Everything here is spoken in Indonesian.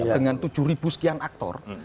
dengan tujuh ribu sekian aktor